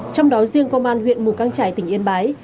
trong đó riêng công an huyện mù căng trải tỉnh yên bái